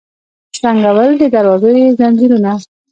شرنګول د دروازو یې ځنځیرونه